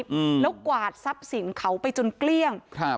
อืมแล้วกวาดทรัพย์สินเขาไปจนเกลี้ยงครับ